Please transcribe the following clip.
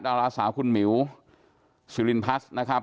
ดาราสาวคุณหมิวซิลินพัฒน์นะครับ